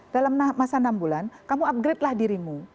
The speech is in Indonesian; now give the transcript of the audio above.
dalam masa enam bulan kamu upgrade lah dirimu